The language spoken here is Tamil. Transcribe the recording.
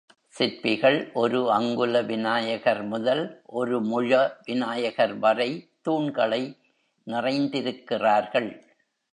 சிற்பிகள் ஒரு அங்குல விநாயகர் முதல், ஒரு முழ விநாயகர் வரை தூண்களை நிறைந்திருக்கிறார்கள்.